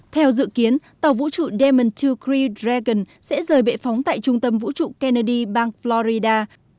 theo dự kiến tàu vũ trụ diamond hai crew dragon sẽ rời bệ phóng tại trung tâm vũ trụ kennedy bang florida